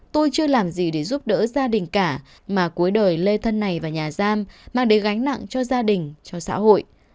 tôi chưa làm gì để giúp đỡ gia đình cả mà cuối đời lê thân này vào nhà giam mang đến gánh nặng cho gia đình cho xã hội